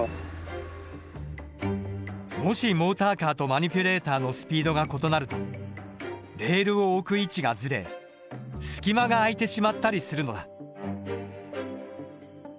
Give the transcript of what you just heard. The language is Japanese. もしモーターカーとマニピュレーターのスピードが異なるとレールを置く位置がずれ隙間が開いてしまったりするのだ。